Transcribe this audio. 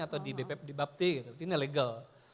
atau di bapti ini legal